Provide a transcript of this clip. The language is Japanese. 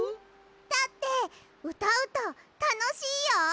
だってうたうとたのしいよ！